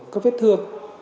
các vết thương